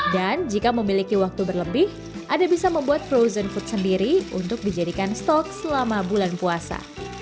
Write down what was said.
dan jika memiliki waktu berlebih ada bisa membuat frozen food sendiri untuk dijadikan stok selama bulan puasa